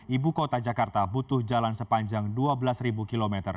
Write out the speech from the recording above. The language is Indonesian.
ibu kota jakarta butuh jalan sepanjang dua belas km